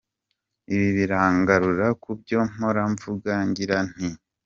Ibi birangarura kubyo mpora nvuga ngira nti